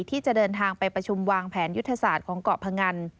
ที่จะเดินทางไปประชุมวางแผนยุทธศาสตร์ของเกาะพงัน